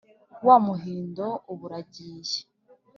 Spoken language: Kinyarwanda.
wa Muhindo uba ura giye